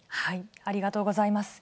ありがとうございます。